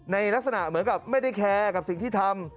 ในลักษณะเหมือนกับไม่ได้แคร์กับสิ่งที่ทำ